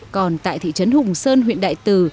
còn tại thị trấn hùng sơn huyện đại từ